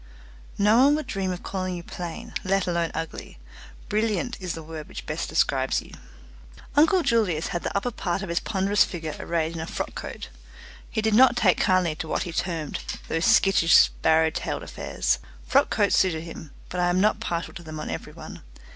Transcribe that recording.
"No one would dream of calling you plain, let alone ugly; brilliant is the word which best describes you." Uncle Julius had the upper part of his ponderous figure arrayed in a frock coat. He did not take kindly to what he termed "those skittish sparrow tailed affairs". Frock coats suited him, but I am not partial to them on every one.